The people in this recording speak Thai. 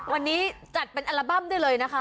วันนี้จัดเป็นอัลบั้มได้เลยนะคะ